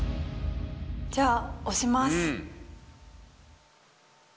じゃあ押します。